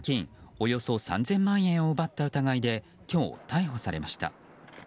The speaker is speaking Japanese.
およそ３０００万円を奪った疑いで今日、逮捕されました。